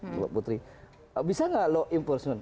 mbak putri bisa nggak law enforcement